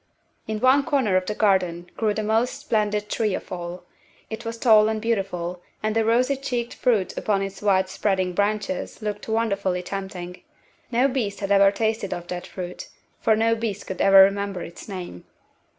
In one corner of the garden grew the most splendid tree of all. It was tall and beautiful and the rosy cheeked fruit upon its wide spreading branches looked wonderfully tempting. No beast had ever tasted of that fruit, for no beast could ever remember its name.